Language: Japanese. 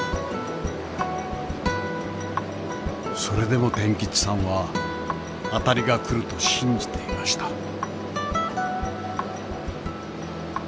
それでも天吉さんは当たりが来ると信じていました。